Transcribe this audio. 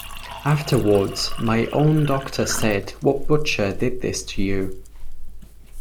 Afterwards, my own doctor said: 'What butcher did this to you?